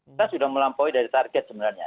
kita sudah melampaui dari target sebenarnya